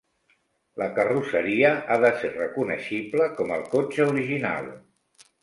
La carrosseria ha de ser reconeixible com el cotxe original.